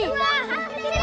itu aja buat gua